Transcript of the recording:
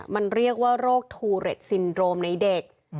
มันเรียกว่าโรคทูเร็ดซินโดรมในเด็ก